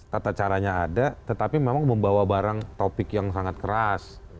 tata caranya ada tetapi memang membawa barang topik yang sangat keras